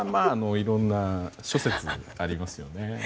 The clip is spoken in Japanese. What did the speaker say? いろんな諸説ありますよね。